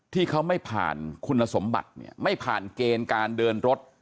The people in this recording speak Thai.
ที่เขาไม่ผ่านคุณสมบัติเนี่ยไม่ผ่านเกณฑ์การเดินรถ